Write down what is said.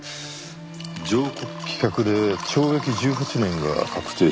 上告棄却で懲役１８年が確定しました。